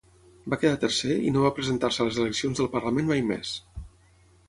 Va quedar tercer i no va presentar-se a les eleccions del parlament mai més.